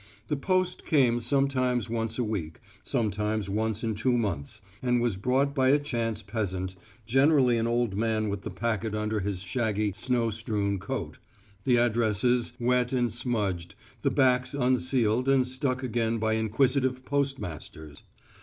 The post came sometimes once a week, sometimes once in two months, and was brought by a chance peasant, generally an old man with the packet under his shaggy snow strewn coat, the addresses wet and smudged, the backs unsealed and stuck again by inquisitive postmasters.